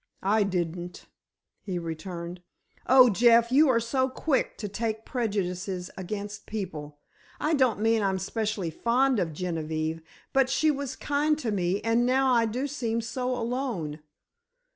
"I didn't," he returned. "Oh, Jeff, you are so quick to take prejudices against people. I don't mean I'm specially fond of Genevieve, but she was kind to me, and now I do seem so alone."